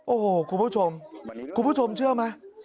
โอ้โหคุณผู้ชมคุณผู้ชมเชื่อไหม